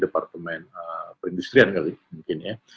departemen perindustrian kali mungkin ya